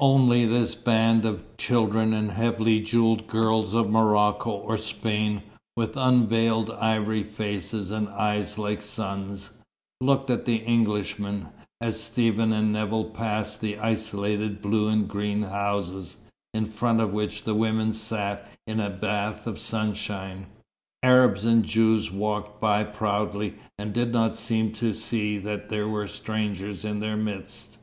Only this band of children, and heavily jewelled girls of Morocco or Spain, with unveiled, ivory faces and eyes like suns, looked at the Englishmen, as Stephen and Nevill passed the isolated blue and green houses, in front of which the women sat in a bath of sunshine. Arabs and Jews walked by proudly, and did not seem to see that there were strangers in their midst.